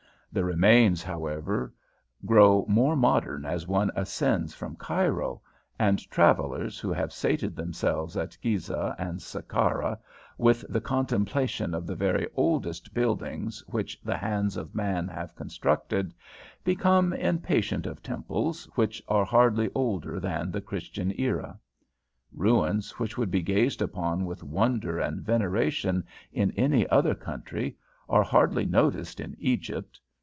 The remains, however, grow more modern as one ascends from Cairo, and travellers who have sated themselves at Gizeh and Sakara with the contemplation of the very oldest buildings which the hands of man have constructed, become impatient of temples which are hardly older than the Christian era. Ruins which would be gazed upon with wonder and veneration in any other country are hardly noticed in Egypt.